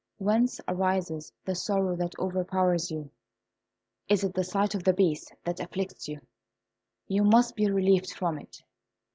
Whence arises the sorrow that overpowers you? Is it the sight of the Beast that afflicts you? You must be relieved from it!"